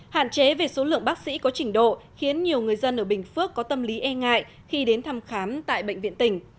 hạn chế về số lượng bác sĩ có trình độ khiến nhiều người dân ở bình phước có tâm lý e ngại khi đến thăm khám tại bệnh viện tỉnh